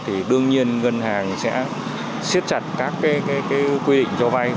thì đương nhiên ngân hàng sẽ siết chặt các quy định cho vay